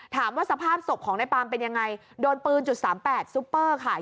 ถามว่าสภาพศพของนายปาล์มเป็นยังไงโดนปืน๓๘ซุปเปอร์ค่ะ